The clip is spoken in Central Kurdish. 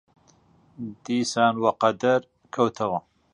دیسان وەقەدر کەوتەوە